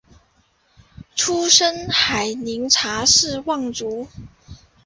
出身海宁查氏望族。